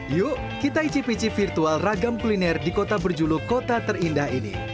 yuk kita icip icip virtual ragam kuliner di kota berjuluk kota terindah ini